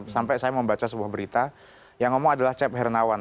sampai saya membaca sebuah berita yang ngomong adalah cep hernawan